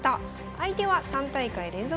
相手は３大会連続